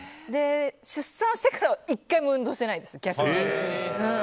出産してからは１回も運動してないです、逆に。